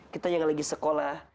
kita yang lagi sekolah